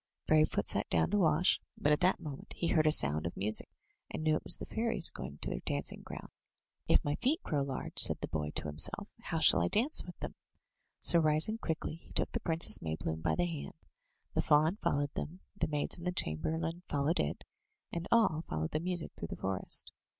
Fairyfoot sat down to wash, but at that minute he heard a sound of music, and knew it was the fairies going to their dancing ground. "If my feet grow large," said the boy to himself, "how shall I dance with them?*' So, rising quickly, he took the Princess Maybloom by the hand. The fawn followed them; the maids and the chamberlain followed it, and all followed the music through the forest.